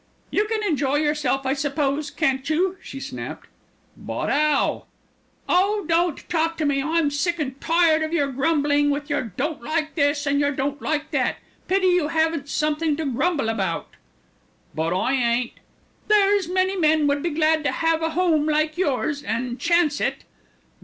"You can enjoy yourself, I suppose, can't you?" she snapped. "But 'ow?" "Oh! don't talk to me. I'm sick and tired of your grumbling, with your don't like this, an' your don't like that. Pity you haven't something to grumble about." "But I ain't " "There's many men would be glad to have a home like yours, an' chance it."